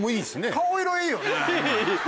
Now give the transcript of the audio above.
顔色いいよね。